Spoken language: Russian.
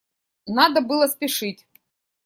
Надо было спешить.